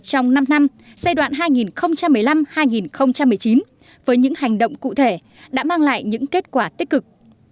trong năm năm giai đoạn hai nghìn một mươi năm hai nghìn một mươi chín với những hành động cụ thể đã mang lại những kết quả tích cực